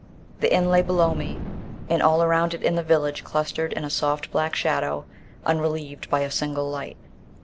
The inn lay below me, and all round it the village clustered in a soft black shadow unrelieved by a single light.